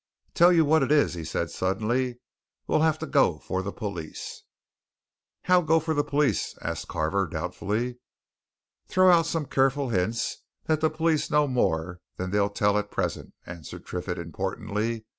"Tell you what it is," he said suddenly. "We'll have to go for the police!" "How go for the police?" asked Carver doubtfully. "Throw out some careful hints that the police know more than they'll tell at present," answered Triffitt, importantly.